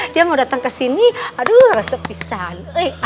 dia mau datang kesini aduh resep pisan